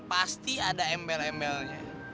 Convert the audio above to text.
pasti ada embel embelnya